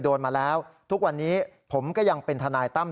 เพราะว่ามีทีมนี้ก็ตีความกันไปเยอะเลยนะครับ